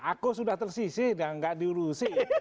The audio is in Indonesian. aku sudah tersisih dan nggak diurusi